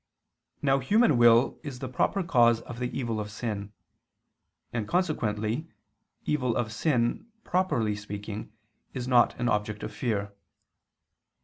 Now human will is the proper cause of the evil of sin: and consequently evil of sin, properly speaking, is not an object of fear.